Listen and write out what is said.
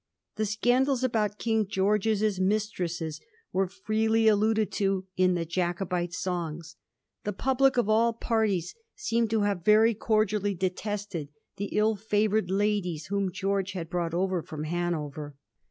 The scandals about King George's mistresses were fireely alluded to in the Jacobite songs. The public of all parties seem to have very cordially detested the ill favoured ladies whom George had brought over fi*om Hanover.